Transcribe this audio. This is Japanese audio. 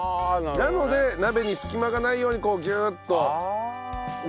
なので鍋に隙間がないようにこうギューッと。ああ！